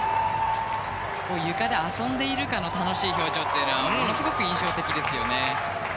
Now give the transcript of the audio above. ゆかで遊んでいるかのような楽しい表情がものすごく印象的ですよね。